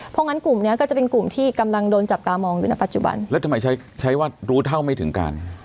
เพราะงั้นกลุ่มเนี้ยก็จะเป็นกลุ่มที่กำลังโดนจับตามองอยู่ในปัจจุบันแล้วทำไมใช้ใช้ว่ารู้เท่าไม่ถึงการ